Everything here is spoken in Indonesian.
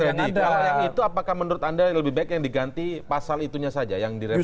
hal yang itu apakah menurut anda lebih baik yang diganti pasal itunya saja yang direvisi